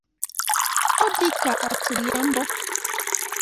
ọ dị ka a tụrụ ya mbọ